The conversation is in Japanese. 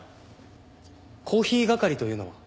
コーヒー係というのは？